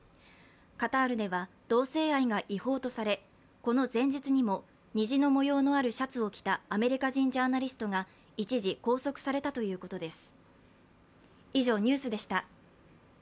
カタールでは同性愛が違法とされ、この前日にも虹の模様のあるシャツを着たアメリカ人ジャーナリストが一時拘束されたということです。